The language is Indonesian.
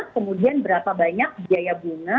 kemudian berapa banyak biaya bunga